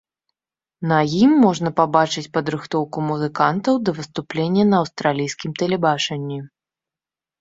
На ім можна пабачыць падрыхтоўку музыкантаў да выступлення на аўстралійскім тэлебачанні.